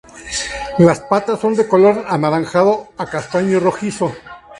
Las patas son de color anaranjado a castaño rojizo.